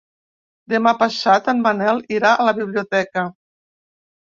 Demà passat en Manel irà a la biblioteca.